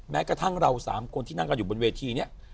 แม้กระทั่งเรา๓คนที่นั่งกันอยู่บนเวทีนี้